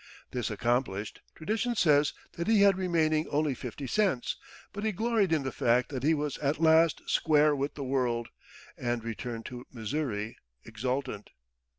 This accomplished, tradition says that he had remaining only fifty cents; but he gloried in the fact that he was at last "square with the world," and returned to Missouri exultant.